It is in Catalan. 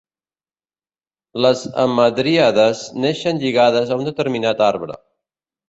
Les hamadríades neixen lligades a un determinat arbre.